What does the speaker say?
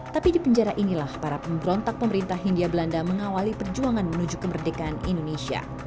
tapi di penjara inilah para pemberontak pemerintah hindia belanda mengawali perjuangan menuju kemerdekaan indonesia